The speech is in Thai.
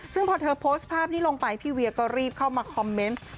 ซึ่งพอเธอโพสต์ภาพนี้ลงไปพี่เวียก็รีบเข้ามาคอมเมนต์